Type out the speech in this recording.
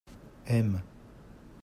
aimes.